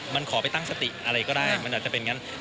มันขอไปตั้งสติอะไรก็ได้มันอาจจะเป็นงั้น